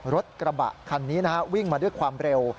รถกระบะคันนี้นะฮะวิ่งมาด้วยความเร็ว